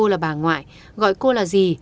gọi cô là bà ngoại gọi cô là gì